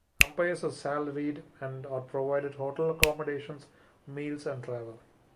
Umpires are salaried and are provided hotel accommodations, meals and travel.